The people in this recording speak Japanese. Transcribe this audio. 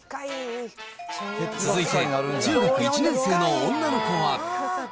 続いて、中学１年生の女の子は。